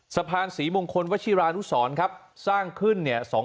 สะพานศรีมงคลวัชฌิราณุศรสร้างขึ้น๒๕๔๗